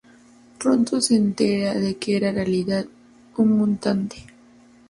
Pronto se entera de que era en realidad un mutante.